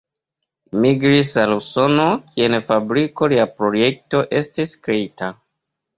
Li migris al Usono, kie en fabriko lia projekto estis kreita.